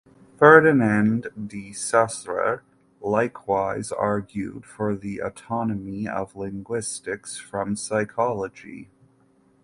Ferdinand de Saussure likewise argued for the autonomy of linguistics from psychology.